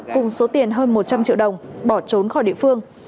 cùng số tiền hơn một trăm linh triệu đồng bỏ trốn khỏi địa phương